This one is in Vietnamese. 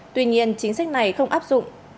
tuy nhiên chính sách này không áp dụng